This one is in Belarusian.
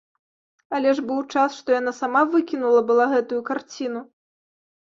Але ж быў час, што яна сама выкінула была гэтую карціну!